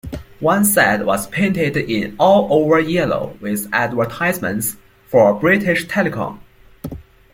One set was painted in all over yellow with advertisements for British Telecom.